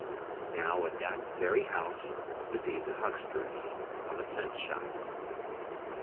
Now, in that very house, to be the hucksteress of a cent shop.